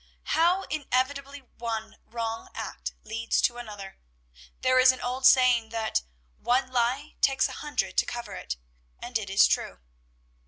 How inevitably one wrong act leads to another! There is an old saying that "one lie takes a hundred to cover it," and it is true.